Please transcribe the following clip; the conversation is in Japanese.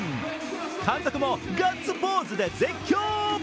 監督もガッツポーズで絶叫。